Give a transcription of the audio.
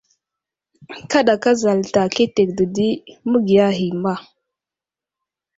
Kaɗakan zalta ketek dedi məgiya ghay i ma.